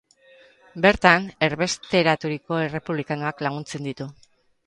Bertan erbesteraturiko errepublikanoak laguntzen ditu.